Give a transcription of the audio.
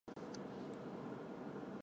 与邻近地区的奥兰多海盗为世仇。